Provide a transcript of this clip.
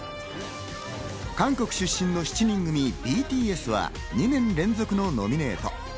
韓国出身の７人組ＢＴＳは２年連続のノミネート。